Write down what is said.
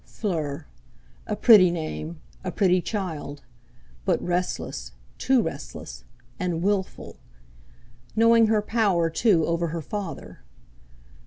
Fleur! A pretty name—a pretty child! But restless—too restless; and wilful! Knowing her power too over her father!